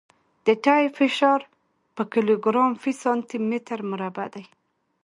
د ټیر فشار په کیلوګرام فی سانتي متر مربع دی